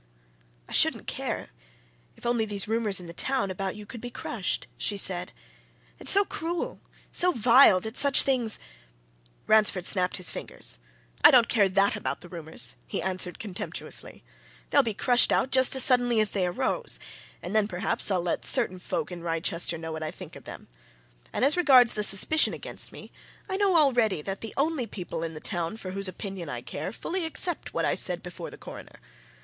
"I shouldn't care, if only these rumours in the town about you could be crushed!" she said. "It's so cruel, so vile, that such things " Ransford snapped his fingers. "I don't care that about the rumours!" he answered, contemptuously. "They'll be crushed out just as suddenly as they arose and then, perhaps, I'll let certain folk in Wrychester know what I think of them. And as regards the suspicion against me, I know already that the only people in the town for whose opinion I care fully accept what I said before the Coroner.